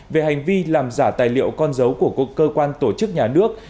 về hành vi làm giả tài liệu con dấu của cơ quan tổ chức nhà nước